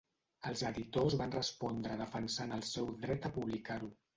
Els editors van respondre defensant el seu dret a publicar-ho.